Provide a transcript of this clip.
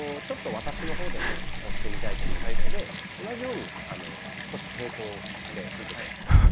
ちょっと私の方でも押してみたいと思いますので同じように少し抵抗してみて下さい。